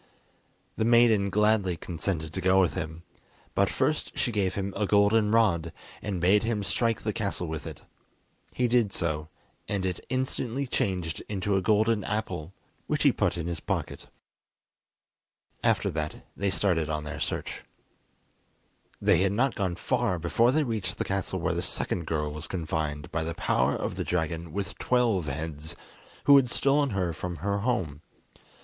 The maiden gladly consented to go with him, but first she gave him a golden rod, and bade him strike the castle with it. He did so, and it instantly changed into a golden apple, which he put in his pocket. After that, they started on their search. They had not gone far before they reached the castle where the second girl was confined by the power of the dragon with twelve heads, who had stolen her from her home.